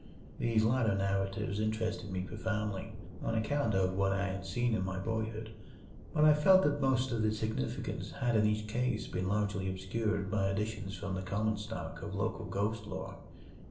These latter narratives interested me profoundly, on account of what I had seen in my boyhood, but I felt that most of the significance had in each case been largely obscured by additions from the common stock of local ghost lore.